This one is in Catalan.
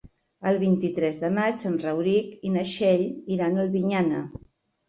El vint-i-tres de maig en Rauric i na Txell iran a Albinyana.